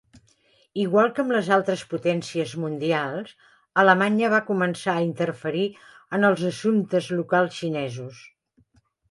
Igual que amb les altres potències mundials, Alemanya va començar a interferir en els assumptes locals xinesos.